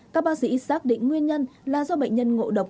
các bác sĩ xác định nguyên nhân là do bệnh nhân ngộ độc